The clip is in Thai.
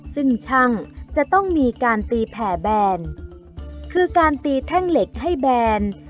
ซึ่งช่างจะต้องมีการตีแผ่แบนคือการตีแท่งเหล็กให้แบน